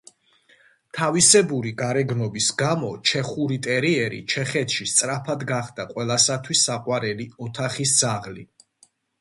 თავისებური გარეგნობის გამო ჩეხური ტერიერი ჩეხეთში სწრაფად გახდა ყველასათვის საყვარელი ოთახის ძაღლი.